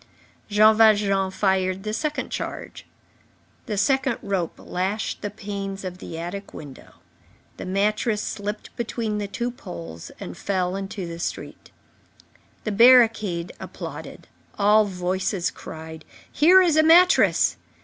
Jean Valjean fired the second charge. The second rope lashed the panes of the attic window. The mattress slipped between the two poles and fell into the street. The barricade applauded. All voices cried: "Here is a mattress!"